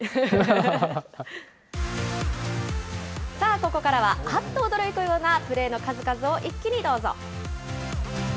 さあ、ここからはあっと驚くようなプレーの数々を一気にどうぞ。